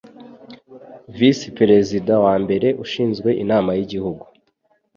visi perezida wa mbere ushinzwe inama yigihugu